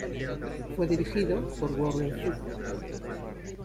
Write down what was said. Fue dirigido por Warren Fu.